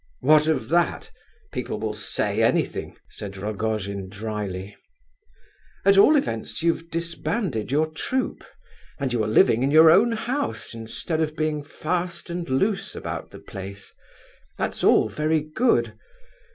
"What of that? People will say anything," said Rogojin drily. "At all events, you've disbanded your troop—and you are living in your own house instead of being fast and loose about the place; that's all very good.